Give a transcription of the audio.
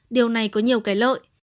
điều này có nhiều cái lợi